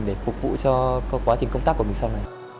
để phục vụ cho quá trình công tác của mình sau này